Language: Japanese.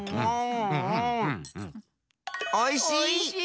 おいしい！